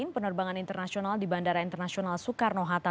penerbangan internasional di bandara internasional soekarno hatta